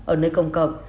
ở nơi công cộng